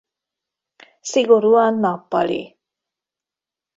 Szigorúan nappali.